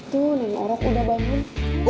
tuh nenek udah bangun